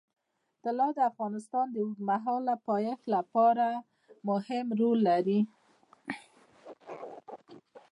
طلا د افغانستان د اوږدمهاله پایښت لپاره مهم رول لري.